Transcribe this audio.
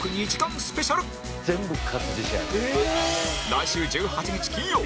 来週１８日金曜